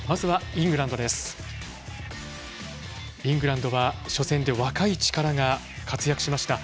イングランドは初戦で若い力が活躍しました。